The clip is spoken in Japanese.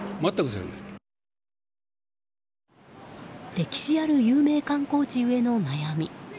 歴史ある有名観光地ゆえの悩み。